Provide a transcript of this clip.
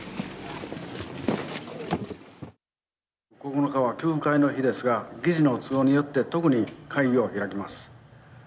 ９日は休会の日ですが議事の都合によって特に会議を開きます。